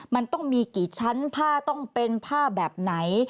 มันต้องมีกี่ชั้นผ้าต้องเป็นผ้าแบบไหน